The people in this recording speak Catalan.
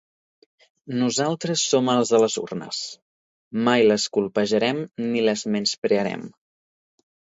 Nosaltres som els de les urnes, mai les colpejarem ni les menysprearem.